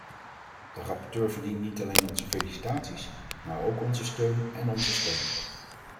De rapporteur verdient niet alleen onze felicitaties, maar ook onze steun en onze stem.